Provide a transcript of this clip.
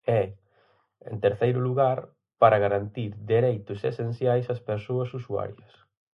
E, en terceiro lugar, para garantir dereitos esenciais ás persoas usuarias.